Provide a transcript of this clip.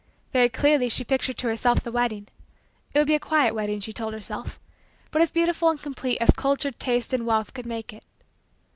Very clearly, she pictured to herself the wedding; it would be a quiet wedding, she told herself, but as beautiful and complete as cultured taste and wealth could make it.